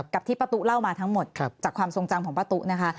กับที่ป้าตุ๊เล่ามาทั้งหมดจากความทรงจำของป้าตุ๊นะคะ